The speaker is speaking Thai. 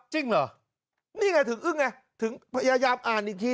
จริงเหรอนี่ไงถึงอึ้งไงถึงพยายามอ่านอีกที